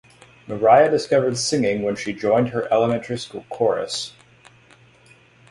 Mariah discovered singing when she joined her elementary school chorus.